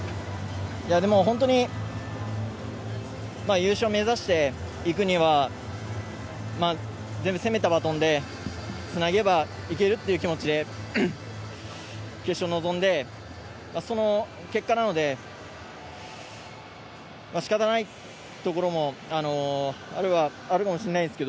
本当に優勝を目指していくには攻めたバトンでつなげばいけるという気持ちで決勝に臨んで、その結果なので仕方ないところもあるはあるかもしれないんですが。